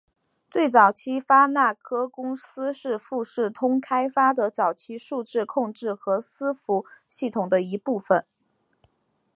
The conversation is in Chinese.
最早期的发那科公司是富士通开发的早期数字控制和伺服系统的一部分。